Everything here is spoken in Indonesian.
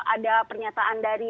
ada pernyataan dari